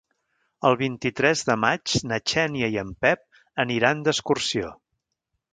El vint-i-tres de maig na Xènia i en Pep aniran d'excursió.